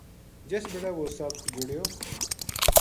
جس بِڑے وہ سپ جڑیو